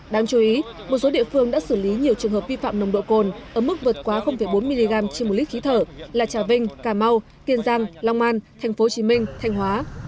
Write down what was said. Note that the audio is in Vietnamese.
đáng chú ý một số địa phương đã xử lý nhiều trường hợp vi phạm nồng độ cồn ở mức vượt quá bốn mg trên một lít khí thở là trà vinh cà mau kiên giang long an tp hcm thanh hóa